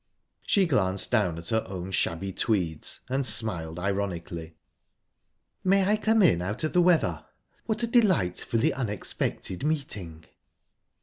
She glanced down at her own shabby tweeds, and smiled ironically. "May I come in out of the weather? What a delightfully unexpected meeting!"